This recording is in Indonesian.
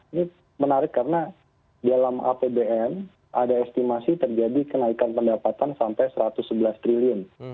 ini menarik karena dalam apbn ada estimasi terjadi kenaikan pendapatan sampai rp satu ratus sebelas triliun